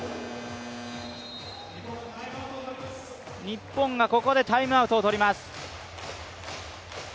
日本がここでタイムアウトを取ります。